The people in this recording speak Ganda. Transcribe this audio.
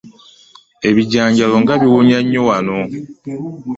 Ebijanjaalo nga biwunya nnyo wano.